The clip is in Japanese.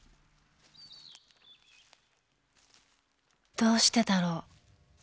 ［どうしてだろう］